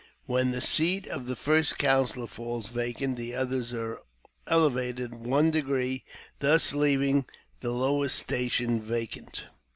When the seat of the first counsellor falls vacant, the others are elevated one degree, thus leaving the lowest station vacant.